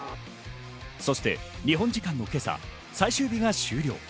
そして日本時間の今朝、最終日が終了。